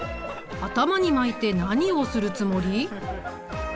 頭に巻いて何をするつもり？